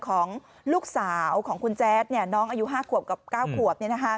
ของลูกสาวของคุณแจ๊ดน้องอายุ๕ขวบกับ๙ขวบ